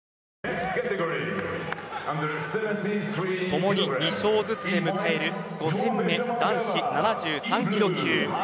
ともに２勝ずつで迎える５戦目、男子７３キロ級。